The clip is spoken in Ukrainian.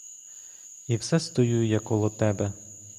І все стою я коло тебе.